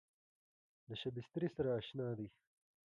له شبستري سره اشنا دی.